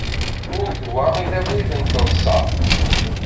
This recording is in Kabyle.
Ur d wa i d abrid n taḍsa.